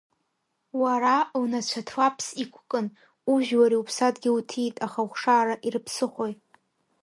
Уара, лнацәа Ҭлаԥс иқәкын, ужәлари уԥсадгьыли уҭиит, аха ухшара ирыԥсыхәои?